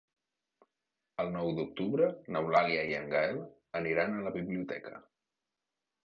El nou d'octubre n'Eulàlia i en Gaël aniran a la biblioteca.